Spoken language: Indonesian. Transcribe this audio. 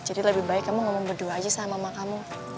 jadi lebih baik kamu ngomong berdua aja sama mama kamu